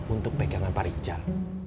untuk pegangan pak rijal